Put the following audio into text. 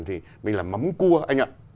thì mình làm mắm cua anh ạ